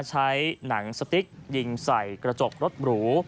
ใช้หนังสติ๊กยิงใส่กระจกรถหรู